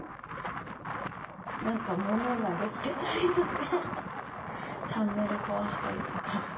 何か物を投げつけたりとかチャンネル壊したりとか。